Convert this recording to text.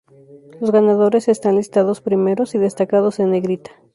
Los ganadores están listados primeros y destacados en negrita.